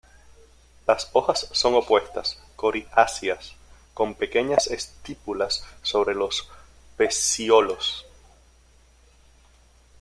Las hojas son opuestas, coriáceas, con pequeñas estípulas sobre los peciolos.